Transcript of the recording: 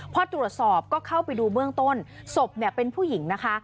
พอตรวจสอบก็เข้าไปดูเบื้องต้นศพเป็นผู้หญิงนะคะ